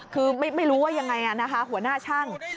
คือไม่รู้ว่ายังไงนะคะหัวหน้าช่าง